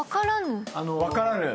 分からぬ。